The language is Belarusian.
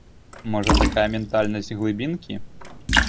Можа, такая ментальнасць глыбінкі.